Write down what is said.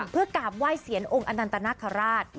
เพื่อกากว้ายเซียนองค์อันทนังฆราช